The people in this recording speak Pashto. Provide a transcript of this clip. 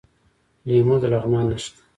لیمو د لغمان نښه ده.